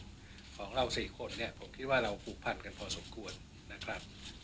ของเรา๔คนเนี่ยผมคิดว่าเราผูกพันกันพอสมควรนะครับ